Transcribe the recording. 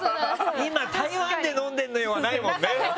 今、台湾で飲んでるのよはないもんね。